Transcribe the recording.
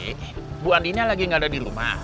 ibu andiennya lagi gak ada di rumah